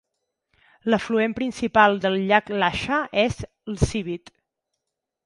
L'afluent principal del llac Lacha és l'Svid.